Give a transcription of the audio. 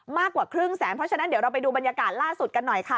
มากกว่าครึ่งแสนเพราะฉะนั้นเดี๋ยวเราไปดูบรรยากาศล่าสุดกันหน่อยค่ะ